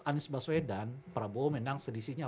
anies baswedan prabowo menang sedisinya